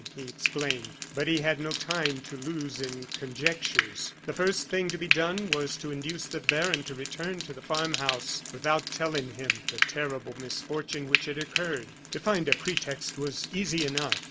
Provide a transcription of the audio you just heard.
he exclaimed. But he had no time to lose in conjectures. The first thing to be done was to induce the baron to return to the farm house without telling him the terrible misfortune which had occurred. To find a pretext was easy enough.